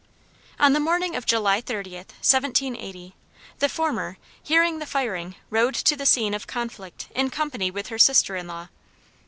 On the morning of July 30th, 1780, the former, hearing the firing, rode to the scene of conflict in company with her sister in law.